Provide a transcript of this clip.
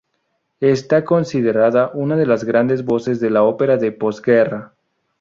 Está considerada una de las grandes voces de la ópera de postguerra.